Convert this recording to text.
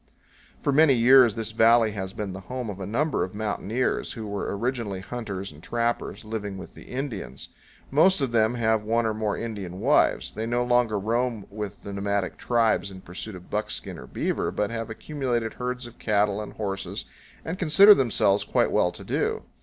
For many years this valley has been the home of a number of mountaineers, who were originally hunters and trappers, living with the Indians. Most of them have one or more Indian wives. They no longer roam with the nomadic tribes in pursuit of buckskin or beaver, but have accumulated herds of cattle and horses, and consider themselves quite well to do.